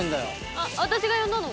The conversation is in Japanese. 「あっ私が呼んだの」